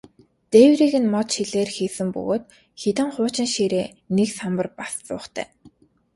Дээврийг нь мод, шилээр хийсэн бөгөөд хэдэн хуучин ширээ, нэг самбар, бас зуухтай.